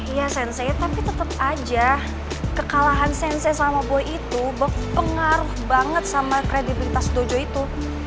iya sensei tapi tetep aja kekalahan sensei sama boy itu pengaruh banget sama kredibilitas dojo itu